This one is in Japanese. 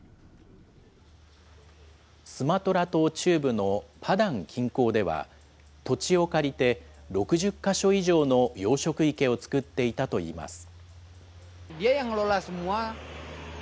スマトラ島中部のパダン近郊では、土地を借りて、６０か所以上の養殖池を作っていたといいます。